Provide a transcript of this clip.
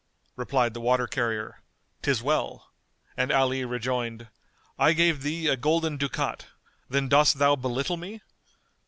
Replied the water carrier "'Tis well," and Ali rejoined, "I gave thee a golden ducat: why, then dost thou belittle me?